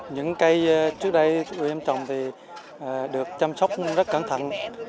những cây trước đây tụi em trồng thì được chăm sóc rất cẩn thận